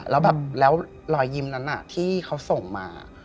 แล้วแบบแล้วรอยยิ้มนั้นที่เขาส่งมา